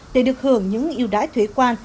để được hưởng những yêu đãi thuế quan